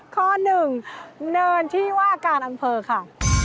ข้อหนึ่งเนินที่ว่าการอำเภอค่ะ